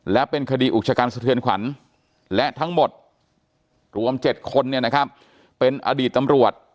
และเป็นคดีอุกชกันสะเทือนขวัญและทั้งหมดรวม๗คนเป็นอดีตตำรวจ